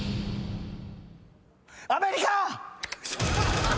アメリカ。